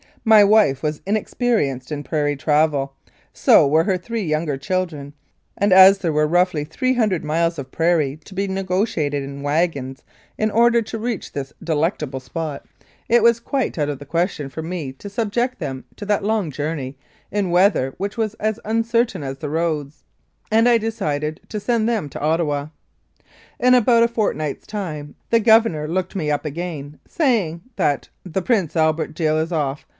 My wife was inexperienced in prairie travel, so were her three younger children, and as there were roughly 300 miles of prairie to be negotiated in wagons in order to reach this delectable spot, it was quite out 38 1886 88. Regina of the question for me to subject them to that long journey in weather which was as uncertain as the roads, and I decided to send them to Ottawa. In abottf a fort night's time the Governor looked me up again, saying "That Prince Albert deal is off.